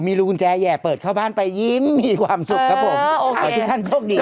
มีรูกุญแจแห่เปิดเข้าบ้านไปยิ้มมีความสุขครับผมเปิดทุกท่านโชคดี